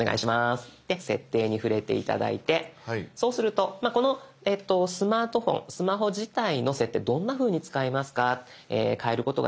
で「設定」に触れて頂いてそうするとこのスマートフォンスマホ自体の設定どんなふうに使いますか変えることができますよ